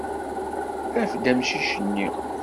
Af-d amcic-nni.